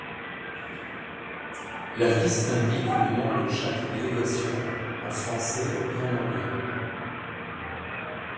La liste indique le nom de chaque délégation en français et en anglais.